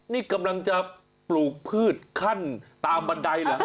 นี่กำลังจะปลูกพืชขั้นตามบันไดเหรอ